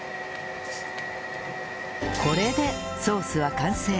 これでソースは完成！